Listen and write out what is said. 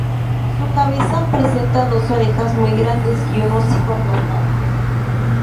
Su cabeza presenta dos orejas muy grandes y un hocico aplastado.